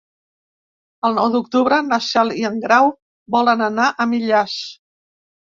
El nou d'octubre na Cel i en Grau volen anar a Millars.